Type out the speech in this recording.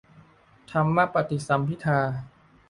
ธรรมปฏิสัมภิทา